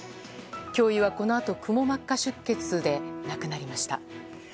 教諭はこのあとくも膜下出血で亡くなりました。